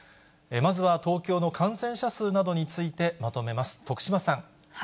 まずは東京の感染者数などについてまとめます、徳島さん。